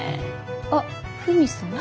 あフミさん？